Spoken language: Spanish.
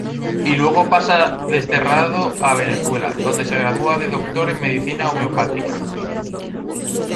Y luego pasa desterrado a Venezuela, donde se gradúa de doctor en medicina homeopática.